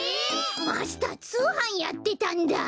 マスターつうはんやってたんだ。